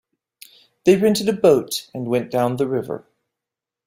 They rented a boat and went down the river.